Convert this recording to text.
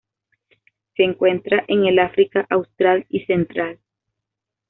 Se encuentra en el África Austral y central.